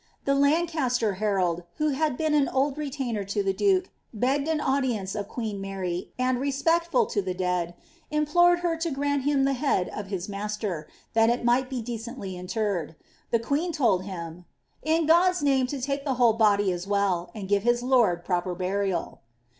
The Lancaster herald, who had been an old retainer to the duke, begged an audience of queen Mary, and, " rexpectful to the dead,'' iinploreil her to grant him the head of his master, ttiai it might be decendy interred. Tlte ([ueen told him, " in God's luinie lo lake the whole body as weUf/ _ and give liis lord proper burial."